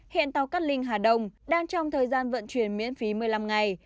hẹn tàu cắt linh hà đông đang trong thời gian vận chuyển miễn phí một mươi năm ngày